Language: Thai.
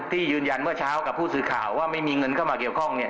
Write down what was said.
ที่ยืนยันเมื่อเช้ากับผู้สื่อข่าวว่าไม่มีเงินเข้ามาเกี่ยวข้อง